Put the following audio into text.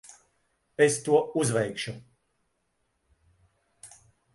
Es to uzveikšu.